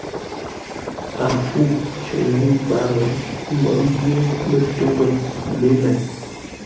A fû cər ngwʉ̂ ńkwǎr ńgwó ḿbyé mətoghʼə́ mé mêi.